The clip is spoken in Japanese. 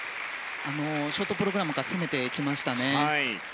ショートプログラムから攻めてきましたね。